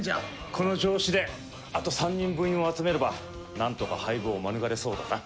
この調子であと３人部員を集めればなんとか廃部を免れそうだな。